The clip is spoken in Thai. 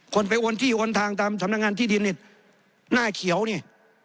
คนไปโอนที่โอนทางตามสำนักงานที่ดินเนี่ยหน้าเขียวนี่